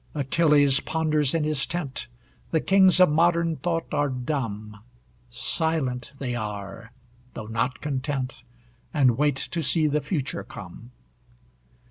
Achilles ponders in his tent, The kings of modern thought are dumb; Silent they are, though not content, And wait to see the future come.